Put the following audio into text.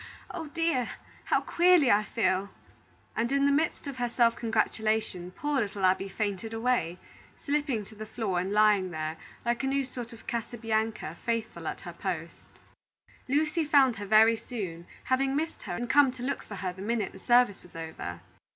Oh, dear! how queerly I feel " and in the midst of her self congratulation, poor little Abby fainted away, slipping to the floor and lying there, like a new sort of Casabianca, faithful at her post. Lucy found her very soon, having missed her and come to look for her the minute the service was over.